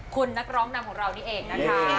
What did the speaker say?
คุณนักร้องนำของเรานี่เองนะคะ